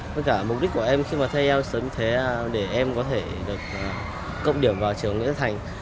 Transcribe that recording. với cả mục đích của em khi mà thi ielts sớm thế là để em có thể được cộng điểm vào trường nghĩa thành